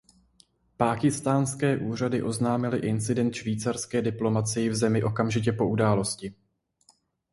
Pákistánské úřady oznámily incident švýcarské diplomacii v zemi okamžitě po události.